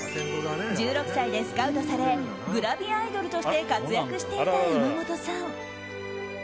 １６歳でスカウトされグラビアアイドルとして活躍していた山本さん。